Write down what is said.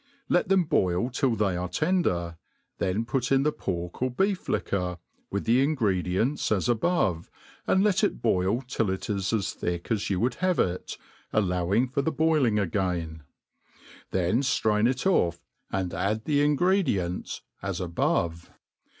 Let them boil tilL they are tender, then put in the pork or beef liquor, with the ingredients as above, and let it boil till it is as thick as you would have it, allowing for the boiling again; then ftrain it off, and add the ingredients as above.